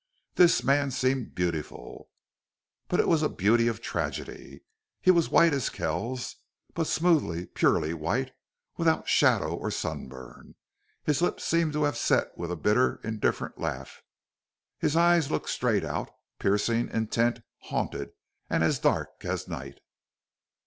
This man seemed beautiful. But it was a beauty of tragedy. He was as white as Kells, but smoothly, purely white, without shadow or sunburn. His lips seemed to have set with a bitter, indifferent laugh. His eyes looked straight out, piercing, intent, haunted, and as dark as night.